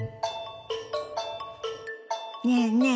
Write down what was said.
ねえねえ